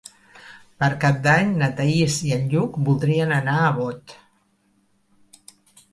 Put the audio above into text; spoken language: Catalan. Per Cap d'Any na Thaís i en Lluc voldrien anar a Bot.